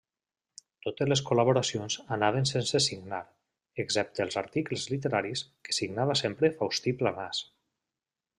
Totes les col·laboracions anaven sense signar, excepte els articles literaris que signava sempre Faustí Planàs.